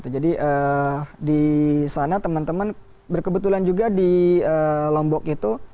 jadi di sana teman teman berkebetulan juga di lombok itu